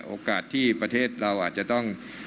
โอกาสที่ประเทศเราอาจจะต้อง